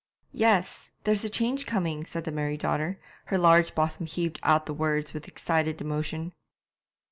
'Yes, there's a change coming,' said the married daughter; her large bosom heaved out the words with excited emotion.